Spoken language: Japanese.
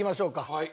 はい。